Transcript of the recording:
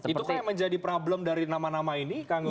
itu kan yang menjadi problem dari nama nama ini kang gunggu